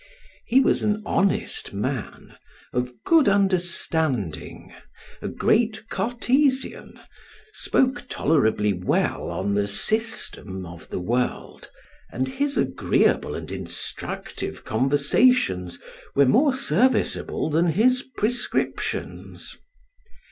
He was an honest man, of good understanding, a great Cartesian, spoke tolerably well on the system of the world, and his agreeable and instructive conversations were more serviceable than his prescriptions.